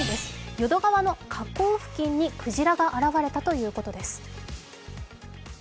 淀川の河口付近にクジラが現れたということです。